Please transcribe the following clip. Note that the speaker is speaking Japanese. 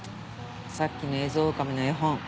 さっきのエゾオオカミの絵本。